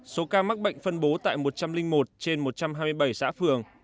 số ca mắc bệnh phân bố tại một trăm linh một trên một trăm hai mươi bảy xã phường